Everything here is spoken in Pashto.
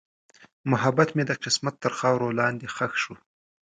محبت مې د قسمت تر خاورو لاندې ښخ شو.